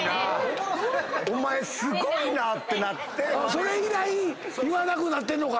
それ以来言わなくなってんのか。